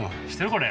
これ。